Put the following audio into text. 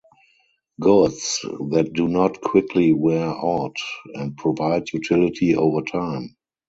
Goods that do not quickly wear out and provide utility over time.